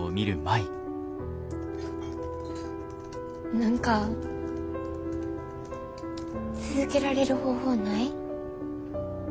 何か続けられる方法ない？